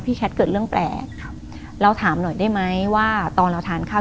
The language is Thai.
แคทเกิดเรื่องแปลกครับเราถามหน่อยได้ไหมว่าตอนเราทานข้าว